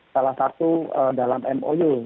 salah satu dalam mou